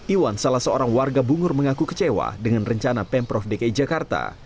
iwan salah seorang warga bungur mengaku kecewa dengan rencana pemprov dki jakarta